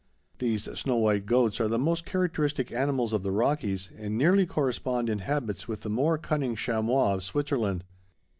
These snow white goats are the most characteristic animals of the Rockies and nearly correspond in habits with the more cunning chamois of Switzerland.